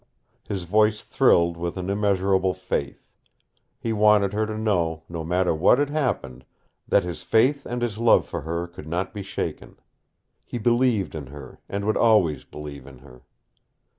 His voice thrilled with an immeasurable faith. He wanted her to know, no matter what had happened, that this faith and his love for her could not be shaken. He believed in her, and would always believe in her.